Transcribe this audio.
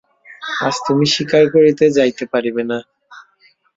আজ তুমি শিকার করিতে যাইতে পারিবে না।